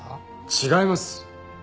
違います！